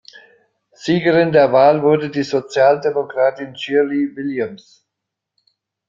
Siegerin der Wahl wurde die Sozialdemokratin Shirley Williams.